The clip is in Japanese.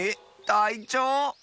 たいちょう？